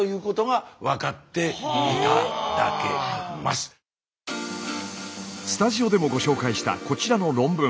スタジオでもご紹介したこちらの論文。